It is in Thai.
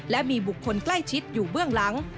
และมีบุคคลใกล้ชิดอยู่เบื้องหลัง